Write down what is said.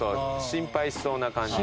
心配しそうな感じ。